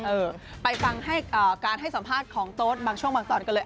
เออไปฟังให้การให้สัมภาษณ์ของโต๊ดบางช่วงบางตอนกันเลย